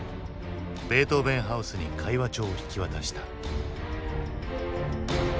ベートーヴェン・ハウスに会話帳を引き渡した。